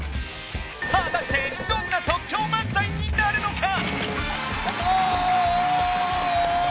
果たしてどんな即興漫才になるのか？